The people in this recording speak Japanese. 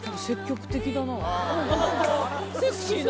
セクシーな。